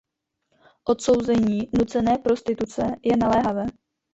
Odsouzení nucené prostituce je naléhavé.